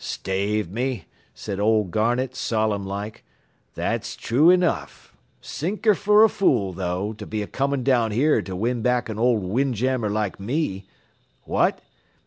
"'Stave me,' says old Garnett, solemn like, 'that's true enough. Sink her fer a fool, though, to be a comin' down here to win back an old windjammer like me What?